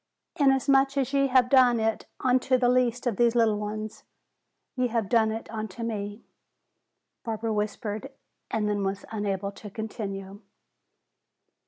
'Inasmuch as ye have done it unto the least of these little ones, ye have done it unto me,'" Barbara whispered, and then was unable to continue.